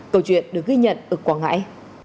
câu chuyện được ghi nhận ở quảng ngãi